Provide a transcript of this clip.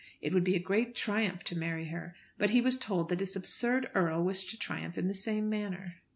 It would be a great triumph to marry her; but he was told that this absurd earl wished to triumph in the same manner.